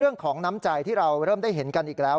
เรื่องของน้ำใจที่เราเริ่มได้เห็นกันอีกแล้ว